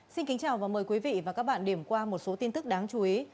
xin kính chào và mời quý vị và các bạn điểm qua một số tin tức đáng chú ý